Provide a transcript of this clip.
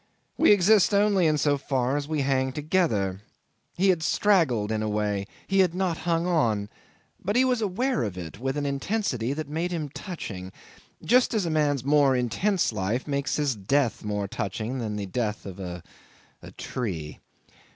We exist only in so far as we hang together. He had straggled in a way; he had not hung on; but he was aware of it with an intensity that made him touching, just as a man's more intense life makes his death more touching than the death of a tree.